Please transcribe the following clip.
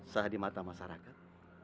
sah di mata masyarakat